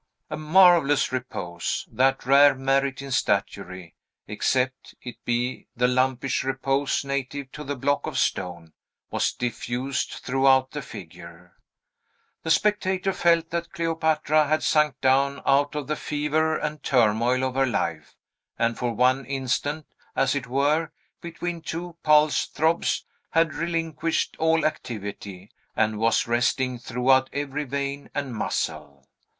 A marvellous repose that rare merit in statuary, except it be the lumpish repose native to the block of stone was diffused throughout the figure. The spectator felt that Cleopatra had sunk down out of the fever and turmoil of her life, and for one instant as it were, between two pulse throbs had relinquished all activity, and was resting throughout every vein and muscle.